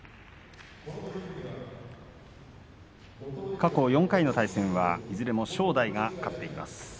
過去４回の対戦はいずれも正代が勝っています。